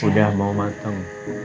udah mau mateng